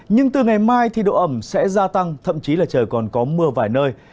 nhưng từ ngày mai thì độ ẩm sẽ gia tăng thậm chí là trời còn có mưa vài nơi